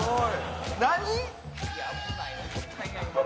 何？